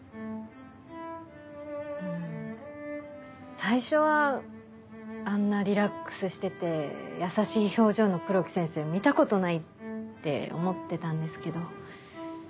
最初はあんなリラックスしてて優しい表情の黒木先生見たことないって思ってたんですけど。